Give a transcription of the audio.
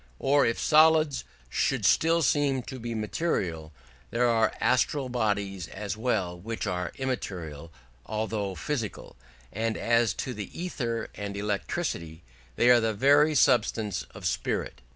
Or if solids should still seem to be material, there are astral bodies as well which are immaterial although physical; and as to ether and electricity, they are the very substance of spirit.